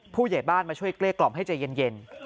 ผู้ใหญ่บ้านมาช่วยเกลี้กล่อมให้ใจเย็น